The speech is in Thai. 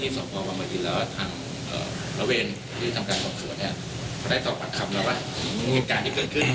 เขาได้สอบปากคำแล้วหรือเป็นการที่เกิดขึ้น